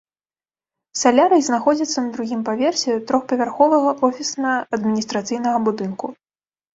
Салярый знаходзіцца на другім паверсе трохпавярховага офісна-адміністрацыйнага будынку.